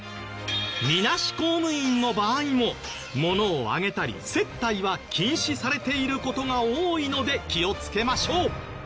みなし公務員の場合も物をあげたり接待は禁止されている事が多いので気をつけましょう。